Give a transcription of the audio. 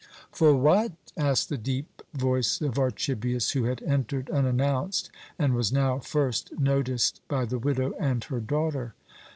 "For what?" asked the deep voice of Archibius, who had entered unannounced, and was now first noticed by the widow and her daughter.